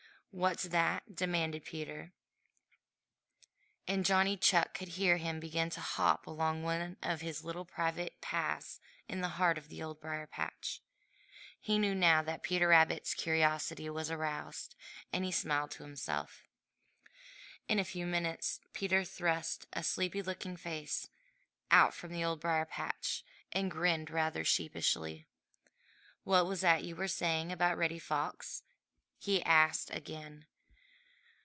"What's that?" demanded Peter, and Johnny Chuck could hear him begin to hop along one of his little private paths in the heart of the Old Briar patch. He knew now that Peter Rabbit's curiosity was aroused, and he smiled to himself. In a few minutes Peter thrust a sleepy looking face out from the Old Briar patch and grinned rather sheepishly. "What was that you were saying about Reddy Fox?" he asked again.